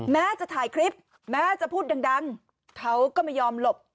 แม้จะถ่ายคลิปแม้จะพูดดังเขาก็ไม่ยอมหลบ